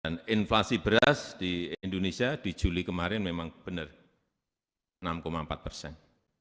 dan inflasi beras di indonesia di juli kemarin memang benar enam empat persen